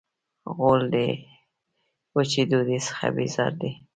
غول د وچې ډوډۍ څخه بیزار دی.